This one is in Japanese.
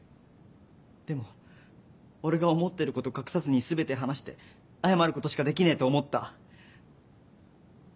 でも俺が思ってること隠さずに全て話して謝ることしかできねえと思った。